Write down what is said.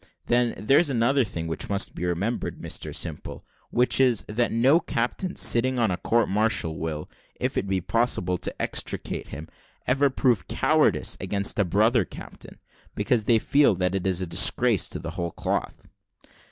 Then, there's another thing which must be remembered, Mr Simple, which is, that no captains sitting on a court martial will, if it be possible to extricate him, ever prove cowardice against a brother captain, because they feel that it's a disgrace, to the whole cloth."